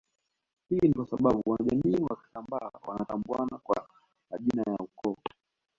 Hii ni kwasababu wanajamii wa Kisambaa wanatambuana kwa majina ya ukoo